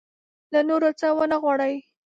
له نورو څه ونه وغواړي.